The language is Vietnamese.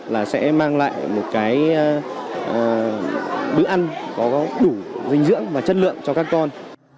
là sẽ mang lại một cái bữa ăn có đủ dinh dưỡng và chất lượng cho các con